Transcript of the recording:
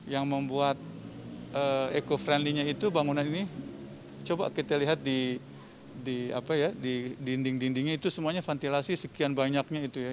yang membuat eco friendly nya itu bangunan ini coba kita lihat di dinding dindingnya itu semuanya ventilasi sekian banyaknya itu ya